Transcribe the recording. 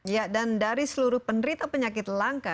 ya dan dari seluruh penderita penyakit langka